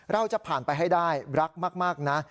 เราจะผ่านไปให้ได้รักมากนะ